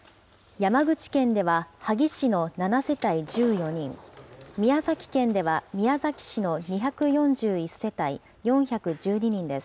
山口県では萩市の７世帯１４人、宮崎県では宮崎市の２４１世帯４１２人です。